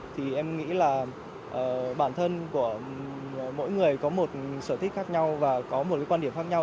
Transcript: thì em nghĩ là bản thân của mỗi người có một sở thích khác nhau và có một quan điểm khác nhau